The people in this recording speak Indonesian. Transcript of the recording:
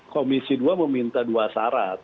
komisi dua meminta dua syarat